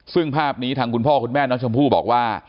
ซึ่งภาพนี้ทางคุณพ่อคุณแม่น้องชมพู่บอกว่า